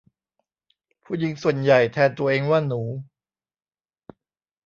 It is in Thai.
ผู้หญิงส่วนใหญ่แทนตัวเองว่าหนู